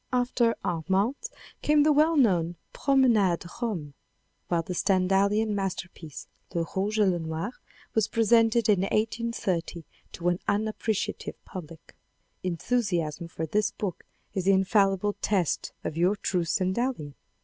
After Armance come the well known Promenades Rome, while the Stendhalian masterpiece Le Rouge et Le Noir was presented in 1830 to an unappreciative public. Enthusiasm for this book is the infallible test of your true Stendhalian.